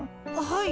はい。